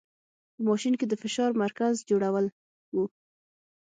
په ماشین کې د فشار مرکز جوړول و.